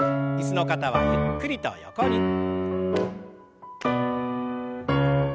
椅子の方はゆっくりと横に。